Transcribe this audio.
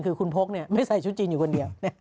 คือคุณโภคเนี่ยไม่ใส่ชุดจีนอยู่คนเดียว